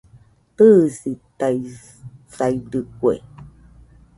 Tɨisitaisaidɨkue